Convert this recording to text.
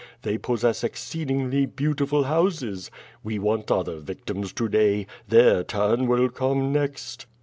They possess exceedingly beautiful houses. We want other victims to day. Their turn will come next.''